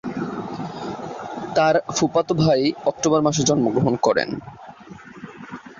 তার ফুফাতো ভাই অক্টোবর মাসে জন্মগ্রহণ করে।